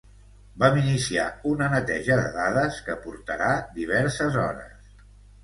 Vam iniciar una neteja de dades que portara diverses hores.